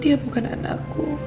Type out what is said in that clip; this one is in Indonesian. dia bukan anakku